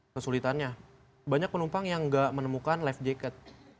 kesulitannya banyak penumpang yang nggak menemukan life jacket